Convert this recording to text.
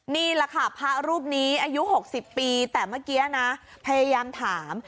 นี่แหละค่ะพระรูปนี้อายุ๖๐ปีแต่เมื่อกี้นะพยายามถาม